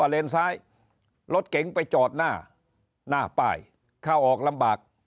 เลนซ้ายรถเก๋งไปจอดหน้าหน้าป้ายเข้าออกลำบาก